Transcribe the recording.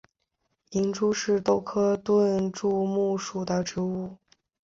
银珠是豆科盾柱木属的植物。